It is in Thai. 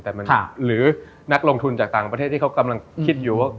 แต่มันหรือนักลงทุนจากต่างประเทศที่เขากำลังคิดอยู่ว่า